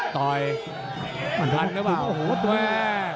ต่อยนิดสดุปมีเมาโอ้โหวอววมา้